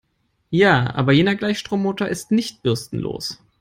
Ja, aber jener Gleichstrommotor ist nicht bürstenlos.